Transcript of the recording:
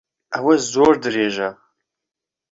ئەوە زۆر درێژە.